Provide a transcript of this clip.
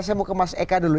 saya mau ke mas eka dulu